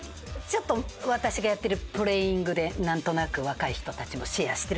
ちょっと私がやってるプレイングでなんとなく若い人たちもシェアしてる気がするんです。